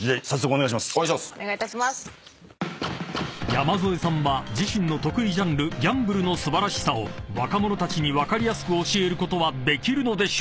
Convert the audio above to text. ［山添さんは自身の得意ジャンルギャンブルの素晴らしさを若者たちに分かりやすく教えることはできるのでしょうか？］